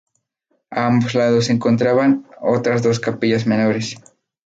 A ambos lados se encontraban otras dos capillas menores.